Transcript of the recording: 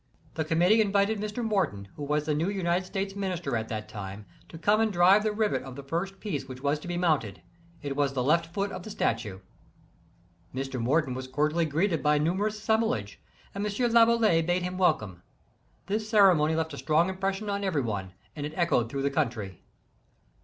The Committee invited Mr. Morton, who was the new United States Minister at that time> to come and drive the rivet of the first piece which was to be mounted. It was the left foot of the statue. Mr. Morton was cordially greeted by a numerous assemblage, and M. Laboulaye bade him welcome. This ceremony left a strong impression on everyone, and it echoed through the country.